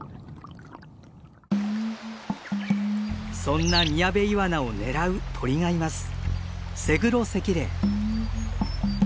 そんなミヤベイワナを狙う鳥がいます。